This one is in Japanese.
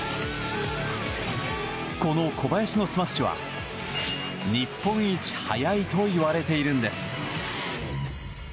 この小林のスマッシュは日本一速いと言われているんです。